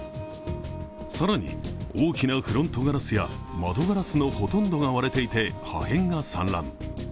更に大きなフロントガラスや窓ガラスのほとんどが割れていて破片が散乱。